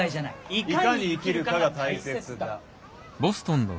いかに生きるかが大切だ。